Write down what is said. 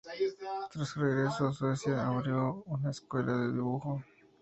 Tras su regreso a Suecia, abrió una escuela de dibujo.